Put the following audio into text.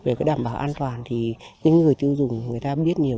về cái đảm bảo an toàn thì những người tiêu dùng người ta biết nhiều